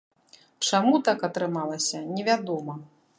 Чаму так атрымалася, невядома.